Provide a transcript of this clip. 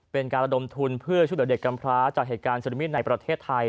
เป็นการระดมทุนเพื่อช่วยเหลือเด็กกำพร้าจากเหตุการณ์ซึนามิตรในประเทศไทย